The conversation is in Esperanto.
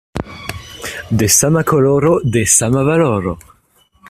De sama koloro, de sama valoro.